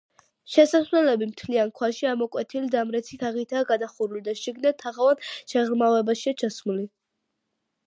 შესასვლელები მთლიან ქვაში ამოკვეთილი დამრეცი თაღითაა გადახურული და შიგნიდან თაღოვან შეღრმავებაშია ჩასმული.